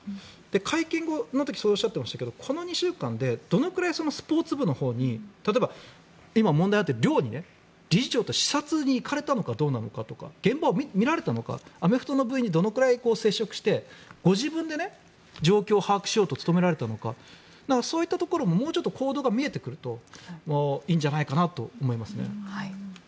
会見の時そうおっしゃっていましたがこの２週間でどれくらいスポーツ部のほうに例えば、今問題になっている寮に理事長として視察に行かれたのかどうかのかとか現場を見られたのかアメフトの部員にどれくらい接触してご自分で状況を把握しようと努められたのかそういったところももうちょっと行動が見えてくるといいんじゃないかなと思いますね。